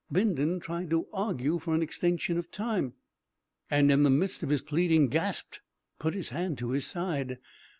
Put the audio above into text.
Bindon tried to argue for an extension of time, and in the midst of his pleading gasped, put his hand to his side.